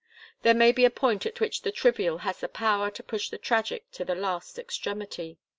There may be a point at which the trivial has the power to push the tragic to the last extremity.